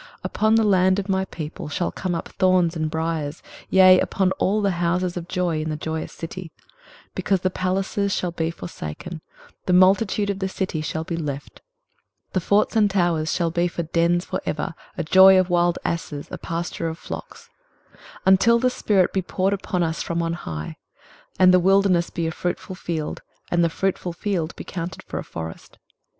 23:032:013 Upon the land of my people shall come up thorns and briers; yea, upon all the houses of joy in the joyous city: 23:032:014 Because the palaces shall be forsaken; the multitude of the city shall be left; the forts and towers shall be for dens for ever, a joy of wild asses, a pasture of flocks; 23:032:015 Until the spirit be poured upon us from on high, and the wilderness be a fruitful field, and the fruitful field be counted for a forest.